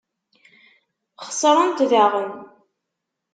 Xesrent daɣen.